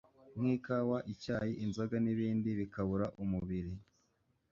nkikawa icyayi inzoga nibindi bikabura umubiri